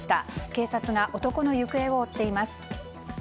警察が男の行方を追っています。